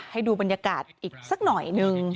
ให้ดูบรรยากาศอีกสักหน่อยนึง